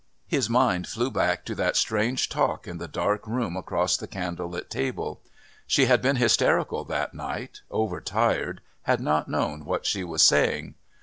His mind flew back to that strange talk in the dark room across the candle lit table. She had been hysterical that night, over tired, had not known what she was saying.